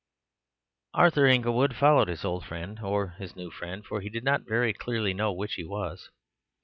Arthur Inglewood followed his old friend—or his new friend, for he did not very clearly know which he was.